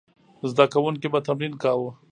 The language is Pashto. زده کوونکي به تمرین کاوه.